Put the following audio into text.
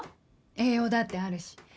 栄養だってあるし。